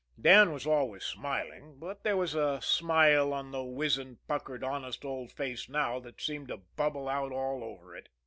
Dan was always smiling, but there was a smile on the wizened, puckered, honest old face now that seemed to bubble out all over it.